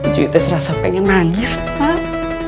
cuy tuh serasa pengen nangis mak